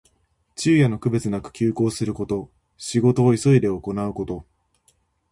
昼夜の区別なく急行すること。仕事を急いで行うこと。